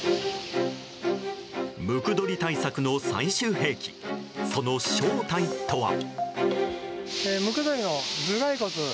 ムクドリ対策の最終兵器その正体とは？